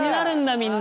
みんな。